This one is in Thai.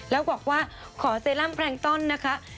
แล้วบอกว่าขอเซรั่มแพลงต้อนนะคะ